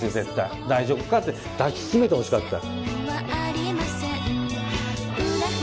大丈夫か？って抱き締めてほしかった。